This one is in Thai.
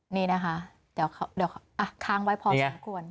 นี่นะคะเดี๋ยวค้างไว้พอสมควร